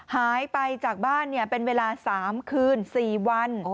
หายไปจากบ้านเป็นเวลา๓คืน๔วัน